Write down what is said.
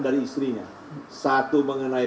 dari istrinya satu mengenai